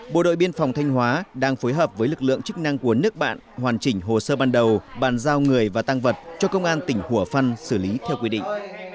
bộ đội biên phòng thanh hóa đang phối hợp với lực lượng chức năng của nước bạn hoàn chỉnh hồ sơ ban đầu bàn giao người và tăng vật cho công an tỉnh hủa phăn xử lý theo quy định